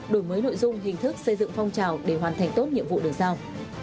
đổi mới nội dung hình thức xây dựng phong trào để hoàn thành tốt nhiệm vụ được giao